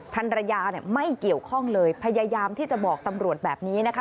ภรรยาเนี่ยไม่เกี่ยวข้องเลยพยายามที่จะบอกตำรวจแบบนี้นะคะ